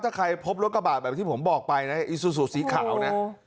ถ้าใครพบรถกระบะแบบที่ผมบอกไปนะอีซูซูสีขาวนะ